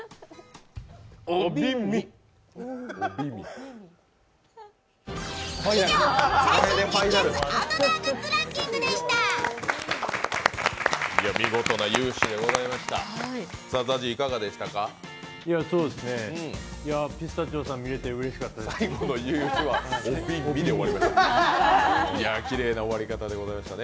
見事な雄姿でございました。